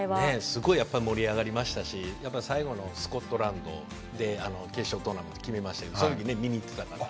すごいやっぱり盛り上がりましたしやっぱ最後のスコットランドで決勝トーナメント決めましたけどその時ね見に行ってたから。